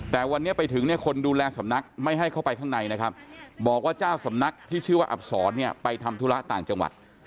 แต่วันนี้ไปถึงเนี่ยคนดูแลสำนักไม่ให้เข้าไปข้างในนะครับบอกว่าเจ้าสำนักที่ชื่อว่าอับศรเนี่ยไปทำธุระต่างจังหวัด